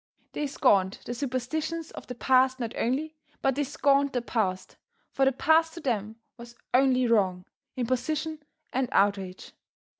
They scorned the superstitions of the past not only, but they scorned the past; for the past to them was only wrong, imposition and outrage.